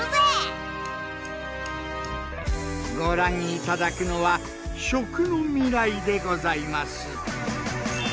ご覧頂くのは「食の未来」でございます。